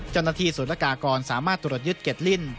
จนนาทีสุรกากรสามารถตรวจยึดเก็ดลิ้น